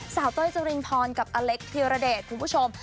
สาวเต้ยเจ้ารินพรกับอเล็กเทียร์ระเดชคุณผู้ชม